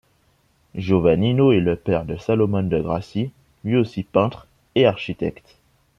Giovannino est le père de Salomone de' Grassi lui aussi peintre et architecte.